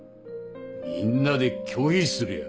みんなで拒否すりゃ。